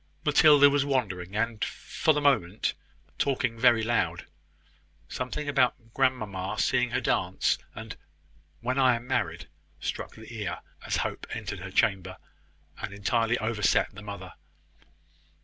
Matilda was wandering, and, for the moment, talking very loud. Something about grandmamma seeing her dance, and "When I am married," struck the ear as Hope entered her chamber, and entirely overset the mother.